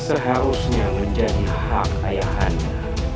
seharusnya menjadi hak ayah anda